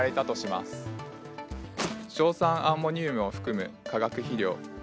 硝酸アンモニウムを含む化学肥料。